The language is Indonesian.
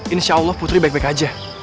insya allah putri baik baik aja